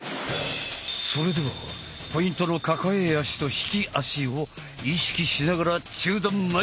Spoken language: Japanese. それではポイントの抱え足と引き足を意識しながら中段前蹴り。